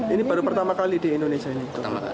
ini baru pertama kali di indonesia ini